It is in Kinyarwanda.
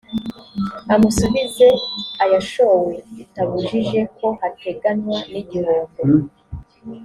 amusubize ayashowe bitabujije ko hateganywa n’igihombo